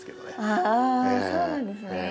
ああそうなんですね。